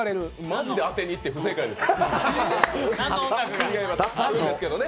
マジで当てにいって不正解です。